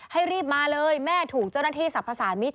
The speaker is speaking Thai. รีบมาเลยแม่ถูกเจ้าหน้าที่สรรพสามิตร